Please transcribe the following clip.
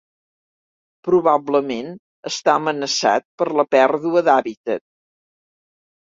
Probablement està amenaçat per la pèrdua d'hàbitat.